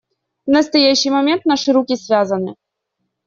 В настоящий момент наши руки связаны.